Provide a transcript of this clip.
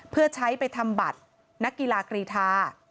เพื่อใช้ไปทำบัตรนักกีฬากรีธา